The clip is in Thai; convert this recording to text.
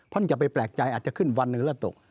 เพราะอย่าไปแปลกใจอาจจะขึ้นวันหนึ่งแล้วตก